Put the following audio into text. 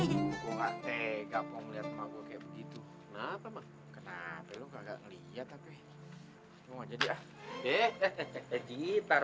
enggak mau lihat mago kayak begitu kenapa kenapa enggak lihat tapi mau jadi ah eh eh eh eh citar